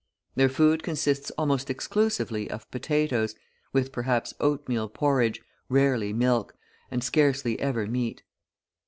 Their food consists almost exclusively of potatoes, with perhaps oatmeal porridge, rarely milk, and scarcely ever meat.